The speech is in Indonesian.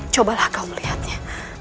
cobalah kau melihatnya